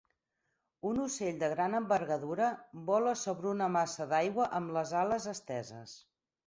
Un ocell de gran envergadura vola sobre una massa d'aigua amb les ales esteses.